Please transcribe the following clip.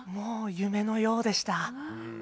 夢のようでした。